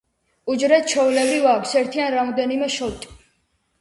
უჯრედს, ჩვეულებრივ, აქვს ერთი ან რამდენიმე შოლტი.